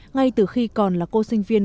ngay từ khi còn là cô sinh viên